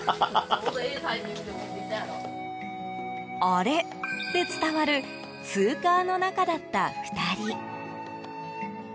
あれで伝わるツーカーの仲だった２人。